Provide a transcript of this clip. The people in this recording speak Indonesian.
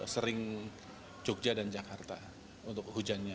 sering jogja dan jakarta untuk hujannya